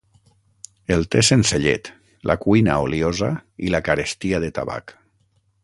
El te sense llet, la cuina oliosa i la carestia de tabac